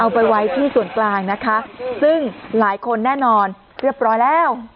ไปไว้ที่ส่วนกลางนะคะซึ่งหลายคนแน่นอนเรียบร้อยแล้ว